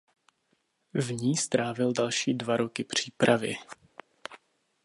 V ní strávil další dva roky přípravy.